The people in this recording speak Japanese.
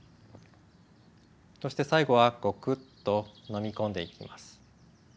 そして最後はゴクッと飲み込んでいきます。